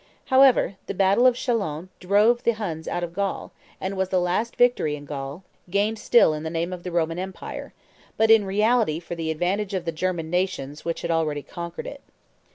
However, the battle of Chalons drove the Huns out of Gaul, and was the last victory in Gaul, gained still in the name of the Roman empire, but in reality for the advantage of the German nations which had already conquered it.